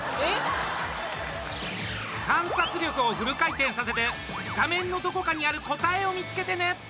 観察力をフル回転させて画面のどこかにある答えを見つけてね。